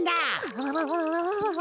あわわわわ。